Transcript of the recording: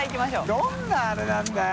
どんなアレなんだよ。